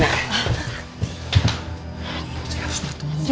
saya harus bertemu